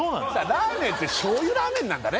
ラーメンって醤油ラーメンなんだね